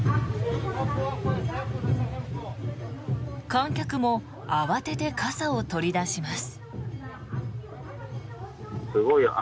観客も慌てて傘を取り出します。